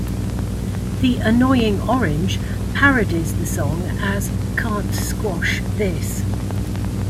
The Annoying Orange parodies the song as "Can't Squash This".